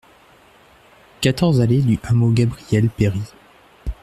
quatorze allée du Hameau Gabriel Péri